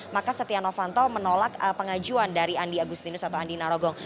maka setia novanto menolak pengajuan dari andi agustinus atau andi narogong